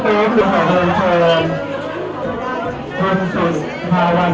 โปรดติดตามต่อไป